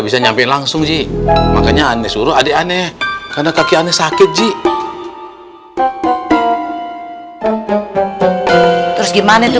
bisa nyampein langsung sih makanya aneh suruh adik aneh karena kaki aneh sakit ji terus gimana tuh